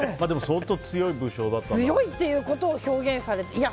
でも、相当強い強いっていうことを表現されて。